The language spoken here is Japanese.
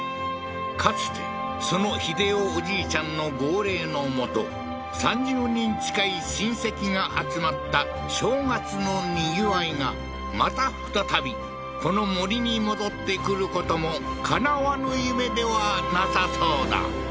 かつてその英夫おじいちゃんの号令のもと３０人近い親戚が集まった正月のにぎわいがまた再びこの森に戻ってくることもかなわぬ夢ではなさそうだ